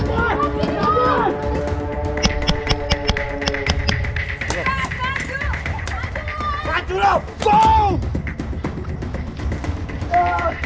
hai tahan tahan semua kan maju maju